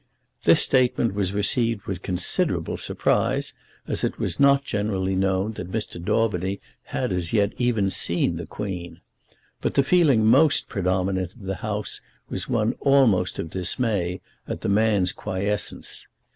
This statement was received with considerable surprise, as it was not generally known that Mr. Daubeny had as yet even seen the Queen. But the feeling most predominant in the House was one almost of dismay at the man's quiescence.